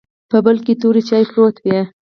په بل کې تور چاې پروت و.